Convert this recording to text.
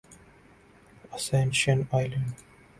ascension island